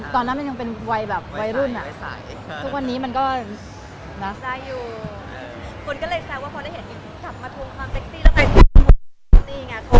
ตอนนั้นมันยังเป็นวัยรุ่นตอนนี้มันก็เลยอยู่